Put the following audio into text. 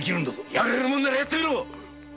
やれるならやってみろ！